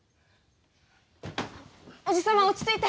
おじ様落ち着いて。